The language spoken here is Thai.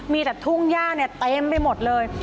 มีแต่ทุ่งย่าเนี่ยเต็มไปหมดเลย